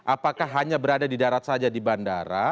apakah hanya berada di darat saja di bandara